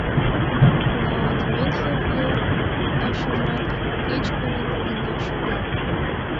— Да Дементьев йолташыжат кычкырен гына шога.